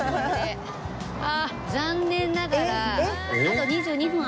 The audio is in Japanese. ああ残念ながらあと２２分ある。